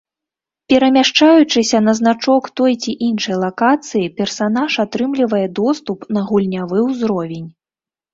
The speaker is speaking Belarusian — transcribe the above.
Перамяшчаючыся на значок той ці іншай лакацыі персанаж атрымлівае доступ на гульнявы ўзровень.